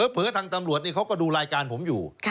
เผอว์ทางตำรวจมันก็ดูรายการภูมิอยู่